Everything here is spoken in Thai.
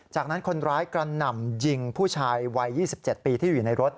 จากนั้นคนร้ายกระหน่ำยิงผู้ชายวัย๒๗ปีที่อยู่ในรถ